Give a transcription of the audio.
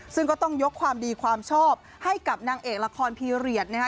ซึ่งก็ต้องยกความดีความชอบให้กับนางเอกละครพีเรียสนะคะ